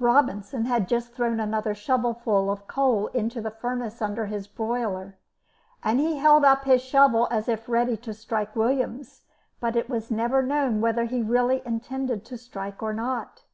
Robinson had just thrown another shovelful of charcoal into the furnace under his boiler, and he held up his shovel as if ready to strike Williams, but it was never known whether he really intended to strike or not.